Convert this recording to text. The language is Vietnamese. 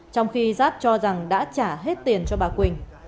trong khi giáp cho rằng đã trả hết tiền cho bà quỳnh